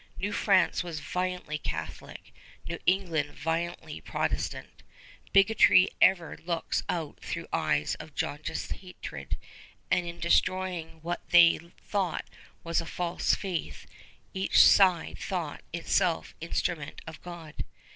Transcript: New France was violently Catholic, New England violently Protestant. Bigotry ever looks out through eyes of jaundiced hatred, and in destroying what they thought was a false faith, each side thought itself instrument of God.